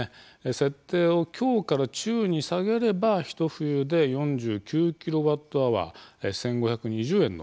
設定を強から中に下げればひと冬で４９ｋＷｈ１，５２０円の節約となります。